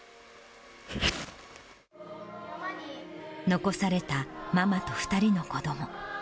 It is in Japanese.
残されたママと２人の子ども。